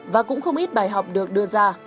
và cũng không ít bài học được đưa ra